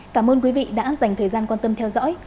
cảm ơn quý vị đã dành thời gian quan tâm theo dõi